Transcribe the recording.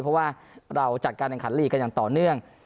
เพราะว่าเราจัดการแข่งขันลีกกันอย่างต่อเนื่อง